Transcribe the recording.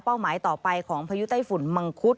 หมายต่อไปของพายุไต้ฝุ่นมังคุด